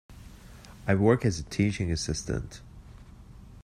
I work as a teaching assistant.